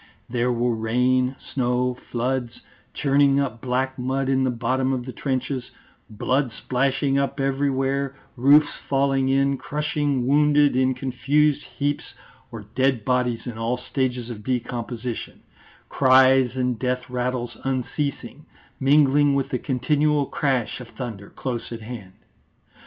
There were rain, snow, floods, churning up black mud in the bottom of the trenches; blood splashing up everywhere; roofs falling in, crushing wounded in confused heaps or dead bodies in all stages of decomposition; cries and death rattles unceasing, mingling with the continual crash of thunder close at hand.